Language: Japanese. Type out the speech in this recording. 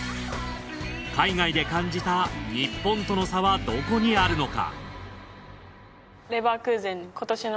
海外で感じた日本との差はどこにあるのか？